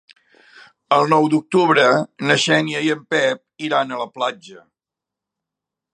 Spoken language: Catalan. El nou d'octubre na Xènia i en Pep iran a la platja.